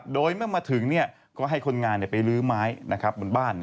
โดยเมื่อมาถึงก็ให้คนงานไปลื้อไม้บนบ้าน